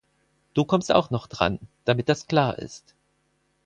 Du kommst auch noch dran, damit das klar ist.